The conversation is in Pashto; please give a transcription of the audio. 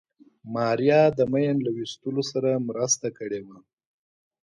ماريا د ماين له ويستلو سره مرسته کړې وه.